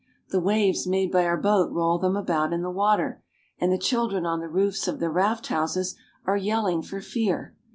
The waves made by our boat roll them about in the water, and the children on the roofs of the raft houses are yelling for fear.